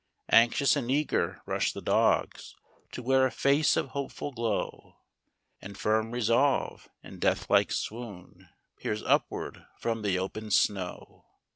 Anxious and eager rush the dogs To where a face of hopeful glow And firm resolve, in death like swoon, Peers upward from the open'd snow.